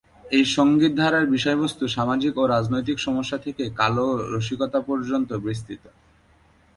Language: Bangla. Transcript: এই সঙ্গীত ধারার বিষয়বস্তু সামাজিক ও রাজনৈতিক সমস্যা থেকে কালো রসিকতা পর্যন্ত বিস্তৃত।